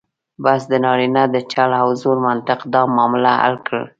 بس د نارینه د چل او زور منطق دا معادله حل کړه.